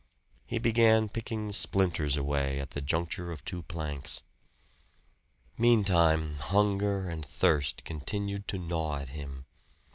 He began picking splinters away at the juncture of two planks. Meantime hunger and thirst continued to gnaw at him.